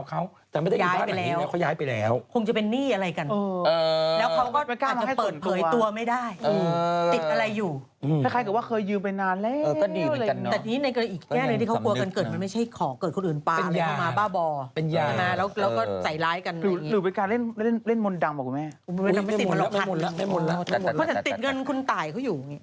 ก็กินแล้วละโอ๊ย